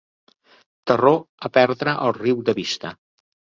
Terror a perdre el riu de vista.